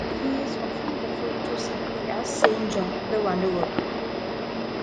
He is often referred to simply as "Saint John the Wonderworker".